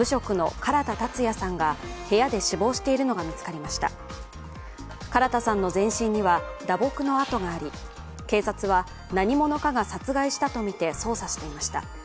唐田さんの全身には打撲の痕があり、警察は何者かが殺害したとみて捜査していました。